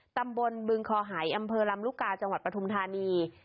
ตำบลบึงคอหายอำเภอลำลูกกาจังหวัดปฐุมธานี